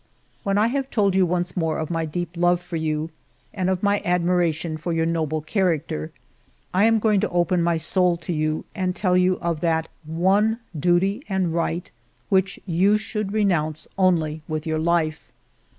" When I have told you once more of my deep love for you and of my admiration for your noble character, I am going to open my soul to you and tell you of that one duty and right which you should renounce only with your life.